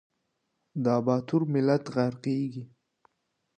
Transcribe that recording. دا باتور ملت غرقیږي